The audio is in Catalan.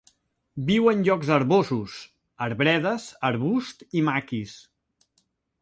Viu en llocs herbosos, arbredes, arbust i maquis.